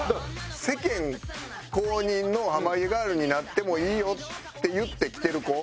世間公認の濱家ガールになってもいいよって言って来てる子？